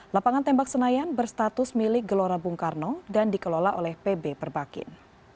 lapangan tembak senayan berstatus milik gelora bung karno dan dikelola oleh pb perbakin